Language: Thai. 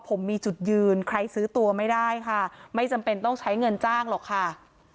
ผมมีจุดยืนใครซื้อตัวไม่ได้ค่ะไม่จำเป็นต้องใช้เงินจ้างหรอกค่ะ